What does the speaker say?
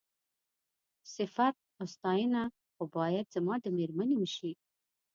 صيفت او ستاينه خو بايد زما د مېرمنې وشي.